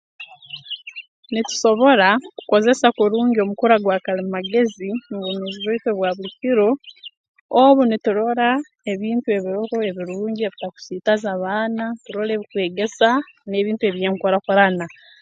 Nitusobora kukozesa kurungi omukura gwa kalimagezi mu bwomeezi bwaitu obwa buli kiro obu niturora ebintu ebiroho ebirungi ebitakusiitaza baana turole ebikwegeza n'ebintu eby'enkurakurana